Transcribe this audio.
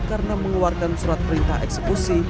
karena mengeluarkan surat perintah eksekusi